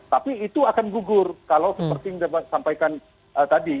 tapi itu akan gugur kalau seperti yang sudah saya sampaikan tadi